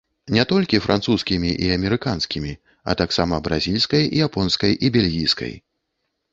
Не толькі французскімі і амерыканскімі, а таксама бразільскай, японскай і бельгійскай.